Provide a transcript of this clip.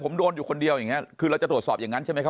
ผมโดนอยู่คนเดียวอย่างเงี้ยคือเราจะตรวจสอบอย่างนั้นใช่ไหมครับ